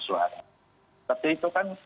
suara tapi itu kan